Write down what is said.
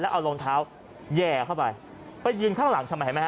พยาบาลรองเท้าแห่เข้าไปยืนข้างหลัง